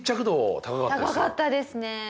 高かったですね。